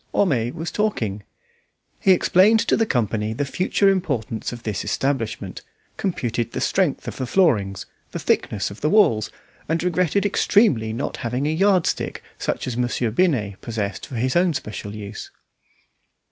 Homais was talking. He explained to the company the future importance of this establishment, computed the strength of the floorings, the thickness of the walls, and regretted extremely not having a yard stick such as Monsieur Binet possessed for his own special use.